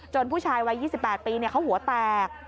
ผู้ชายวัย๒๘ปีเขาหัวแตก